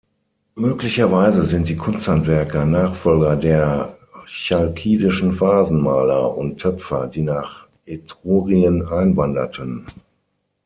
Möglicherweise sind die Kunsthandwerker Nachfolger der Chalkidischen Vasenmaler und Töpfer, die nach Etrurien einwanderten.